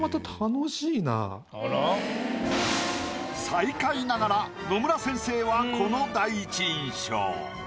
最下位ながら野村先生はこの第一印象。